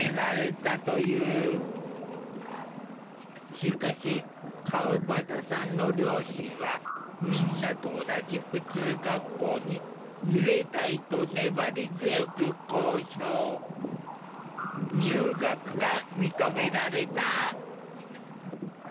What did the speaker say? しかし川端さんの両親はみんなと同じ普通学校に入れたいと粘り強く交渉入学が認められた。